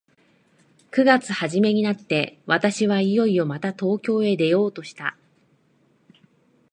九月始めになって、私はいよいよまた東京へ出ようとした。